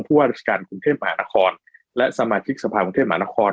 ว่าราชการกรุงเทพมหานครและสมาชิกสภากรุงเทพมหานคร